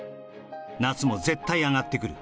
「夏も絶対上がってくる」